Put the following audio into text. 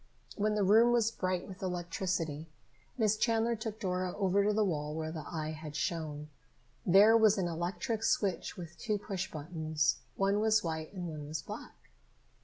When the room was bright with electricity, Miss Chandler took Dora over to the wall where the eye had shone. There was an electric switch with two push buttons. One was white and one was black.